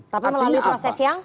tapi melalui proses yang